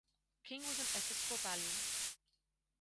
King was an Episcopalian.